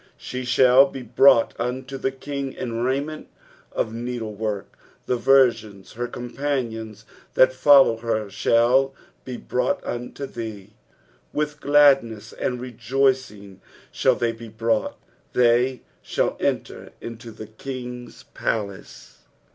14 She shall be brought unto the king in raiment of needle work : the virgins her companions that follow her shall be brought unto thee, 15 With gladness and rejoicing shall they be brought; they shall enter into the king's palace.